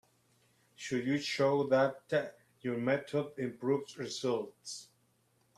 You should show that your method improves results.